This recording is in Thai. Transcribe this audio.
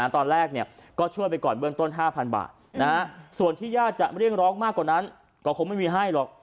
ตอนแรกก็ช่วยไปก่อนเบื้องต้น๕๐๐บาทส่วนที่ญาติจะเรียกร้องมากกว่านั้นก็คงไม่มีให้หรอก